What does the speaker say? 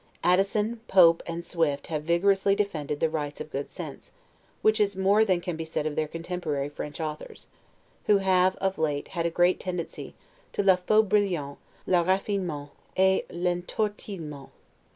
Addison, Pope, and Swift, have vigorously defended the rights of good sense, which is more than can be said of their contemporary French authors, who have of late had a great tendency to 'le faux brillant', 'le raffinement, et l'entortillement'.